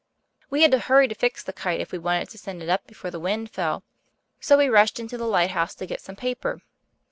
We had to hurry to fix the kite if we wanted to send it up before the wind fell, so we rushed into the lighthouse to get some paper.